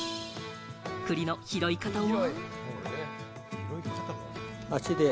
栗の拾い方は。